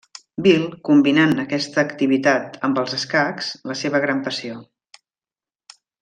Bill, combinant aquesta activitat amb els escacs, la seva gran passió.